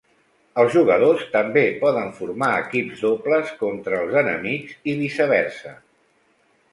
Els jugadors també poden formar equips dobles contra els enemics i viceversa.